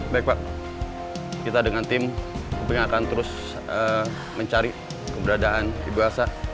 baik pak kita dengan tim akan terus mencari keberadaan ibu asa